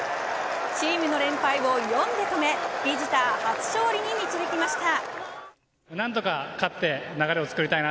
チームの連敗を４で止めビジター初勝利に導きました。